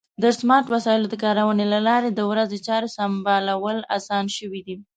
د سمارټ وسایلو د کارونې له لارې د ورځې چارو سمبالول اسان شوي دي.